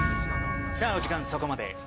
さぁお時間そこまで。